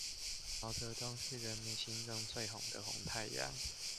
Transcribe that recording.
毛澤東是人民心中最紅的紅太陽